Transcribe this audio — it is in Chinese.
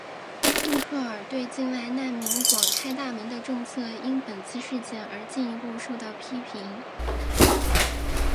默克尔对境外难民广开大门的政策因本次事件而进一步受到批评。